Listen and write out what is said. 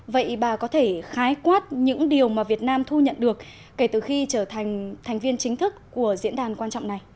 vậy bà có thể khái quát những điều mà việt nam thu nhận được kể từ khi trở thành thành viên chính thức của diễn đàn quan trọng này